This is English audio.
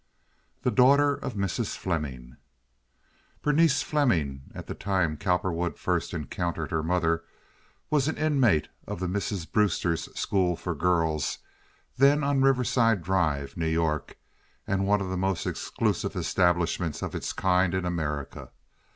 The Daughter of Mrs. Fleming Berenice Fleming, at the time Cowperwood first encountered her mother, was an inmate of the Misses Brewster's School for Girls, then on Riverside Drive, New York, and one of the most exclusive establishments of its kind in America.